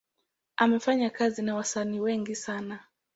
Amefanya kazi na wasanii wengi sana.